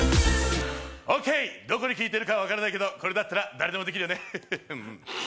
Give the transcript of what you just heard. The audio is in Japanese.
オーケー、どこにきいてるか分からないけどこれだったら、誰でもできるよね。